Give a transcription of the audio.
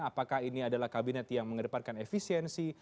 apakah ini adalah kabinet yang mengedepankan efisiensi